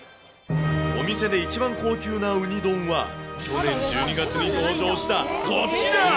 お店で一番高級なウニ丼は、去年１２月に登場したこちら。